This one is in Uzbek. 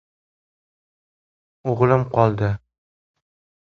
— O‘g‘lim qoldi.